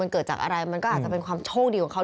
เกิดจากอะไรมันก็อาจจะเป็นความโชคดีของเขา